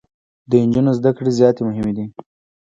د انجونو زده کړي زياتي مهمي دي.